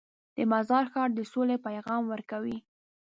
د مزار ښار د سولې پیغام ورکوي.